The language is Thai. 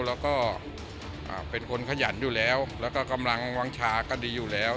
แล้วก็เป็นคนขยันอยู่แล้วแล้วก็กำลังวางชาก็ดีอยู่แล้ว